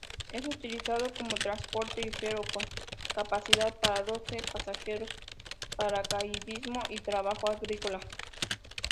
Es utilizado como transporte ligero con capacidad para doce pasajeros, paracaidismo y trabajo agrícola.